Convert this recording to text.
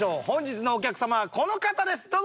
本日のお客様はこの方です。